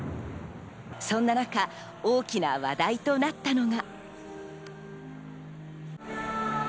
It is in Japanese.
そんな中、大きな話題となったのが。